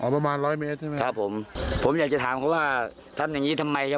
ประมาณร้อยเมตรใช่ไหมครับผมผมอยากจะถามเขาว่าทำอย่างงี้ทำไมครับ